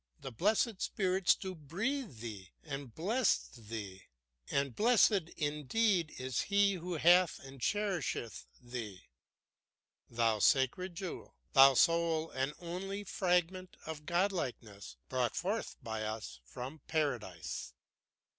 The blessed spirits do breathe thee, and blessed indeed is he who hath and cherisheth thee, thou sacred jewel, thou sole and only fragment of godlikeness brought forth by us from Paradise."